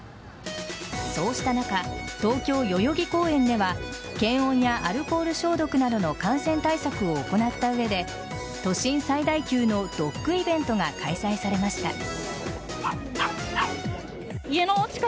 そうした中東京・代々木公園では検温やアルコール消毒などの感染対策を行った上で都心最大級のドッグイベントが開催されました。